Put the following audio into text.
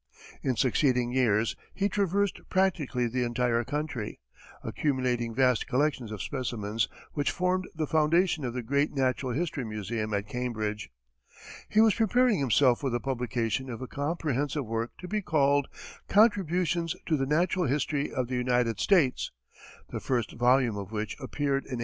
In succeeding years, he traversed practically the entire country, accumulating vast collections of specimens which formed the foundation of the great natural history museum at Cambridge. He was preparing himself for the publication of a comprehensive work to be called "Contributions to the Natural History of the United States," the first volume of which appeared in 1857.